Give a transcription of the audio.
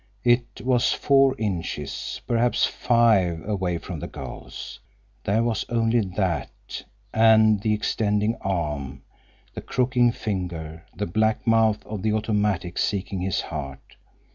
It was four inches—perhaps five—away from the girl's. There was only that—and the extending arm, the crooking finger, the black mouth of the automatic seeking his heart.